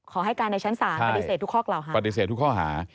ขอให้การในชั้นศาลปฏิเสธทุกข้อกล่าวหา